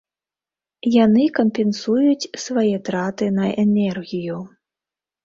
Яны кампенсуюць свае траты на энергію.